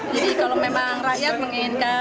jadi kalau memang rakyat menginginkan